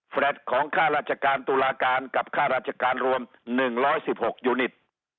แลตของค่าราชการตุลาการกับค่าราชการรวม๑๑๖ยูนิต